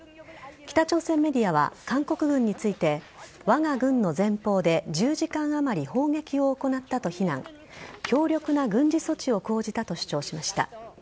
北朝鮮メディアは韓国軍についてわが軍の前方で１０時間あまり砲撃を行ったと非難し強力な軍事措置を講じたと主張しました。